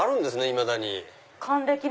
いまだに。